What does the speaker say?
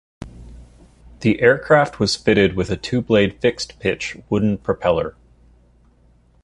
The aircraft was fitted with a two-blade fixed pitch wooden propeller.